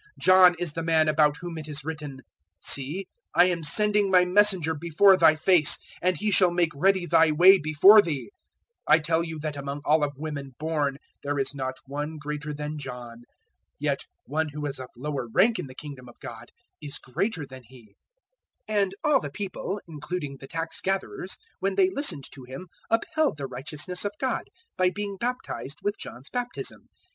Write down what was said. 007:027 John is the man about whom it is written, `See, I am sending My messenger before thy face, and he shall make ready thy way before thee.' 007:028 "I tell you that among all of women born there is not one greater than John. Yet one who is of lower rank in the Kingdom of God is greater than he. 007:029 And all the people, including the tax gatherers, when they listened to him upheld the righteousness of God, by being baptized with John's baptism.